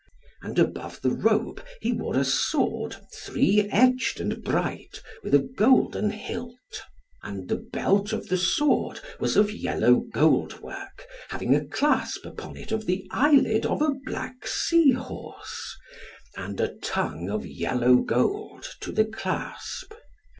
And above the robe he wore a sword three edged and bright, with a golden hilt. And the belt of the sword was of yellow goldwork, having a clasp upon it of the eyelid of a black sea horse, and a tongue of yellow gold to the clasp.